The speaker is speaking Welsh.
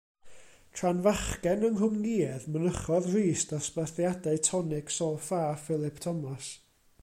Tra yn fachgen yng Nghwmgïedd mynychodd Rees ddosbarthiadau tonic sol-ffa Phylip Thomas.